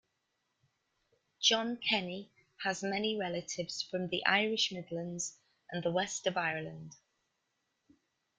Jon Kenny has many relatives from The Irish Midlands and the West of Ireland.